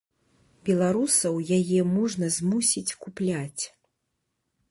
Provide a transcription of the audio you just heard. Беларусаў яе можна змусіць купляць.